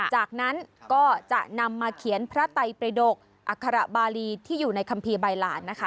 จากนั้นก็จะนำมาเขียนพระไตประดกอัคระบาลีที่อยู่ในคัมภีร์ใบหลานนะคะ